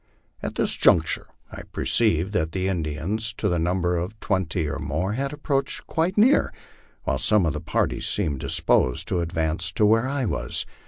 At this juncture I perceived that the Indians, to the number of twenty or more, had approached quite near, while some of the party seemed disposed to advance to where I was.